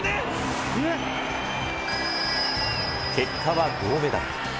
結果は銅メダル。